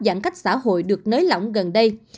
giãn cách xã hội được nới lỏng gần đây